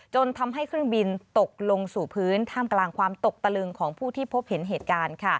จนทำให้เครื่องบินตกลงสู่พื้นท่ามกลางความตกตะลึงของผู้ที่พบเห็นเหตุการณ์